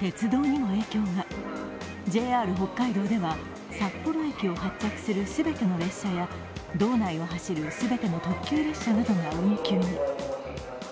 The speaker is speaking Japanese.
鉄道にも影響がＪＲ北海道では札幌駅を発着する全ての列車や道内を走る全ての特急列車などが運休に。